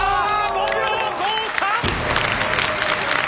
５秒５３！